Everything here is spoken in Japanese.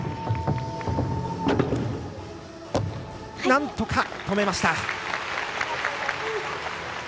なんとか止めました。